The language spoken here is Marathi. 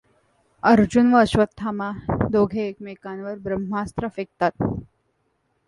अर्जुन व अश्वत्थामा दोघे एकमेकांवर ब्रह्मास्त्र फेकतात.